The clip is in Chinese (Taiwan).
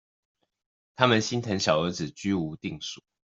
他們心疼小兒子居無定所